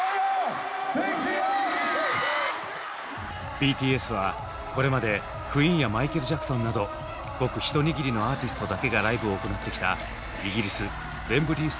ＢＴＳはこれまでクイーンやマイケル・ジャクソンなどごく一握りのアーティストだけがライブを行ってきたイギリス・ウェンブリー・スタジアムの単独公演を